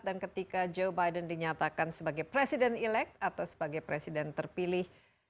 dan ketika joe biden dinyatakan sebagai presiden elect atau sebagai presiden terpilih